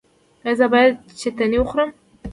ایا زه باید چتني وخورم؟